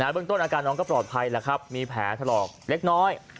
เรื่องต้นอาการน้องก็ปลอดภัยแล้วครับมีแผลถลอกเล็กน้อย